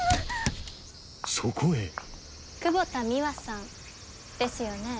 そこへ久保田ミワさんですよね？